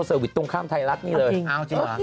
สเวียดตรงข้ามไทยรัฐนี่เลยตรงข้ามไทยรัฐ